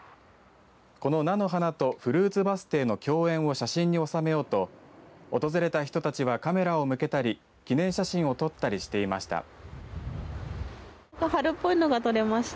この菜の花とフルーツバス停の共演を写真に収めようと訪れた人たちはカメラを向けたり記念写真を撮ったりしていました。